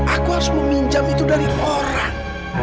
aku harus meminjam itu dari orang